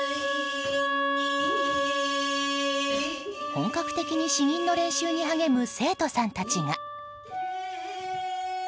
本格的に詩吟の練習に励む生徒さんたちが。